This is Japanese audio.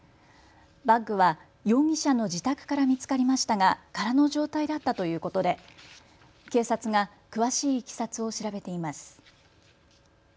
バッグは容疑者の自宅から見つかりましたが空の状態だったということで警察が詳しいいきさつを調べています。